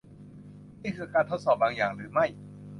นี่คือการทดสอบบางอย่างหรือไม่ ?